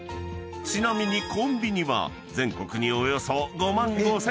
［ちなみにコンビニは全国におよそ５万５，０００軒］